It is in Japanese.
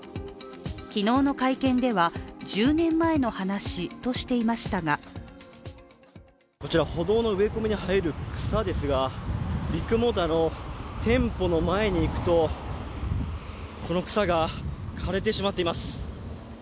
昨日の会見では、１０年前の話としていましたがこちら歩道の植え込みに生える草ですがビッグモーターの店舗の前に行くとこの草が枯れてしまっています。